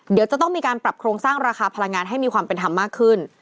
เดี๋ยวจะต้องมีการปรับโครงสร้างราคาพลังงานให้มีความเป็นธรรมมากขึ้น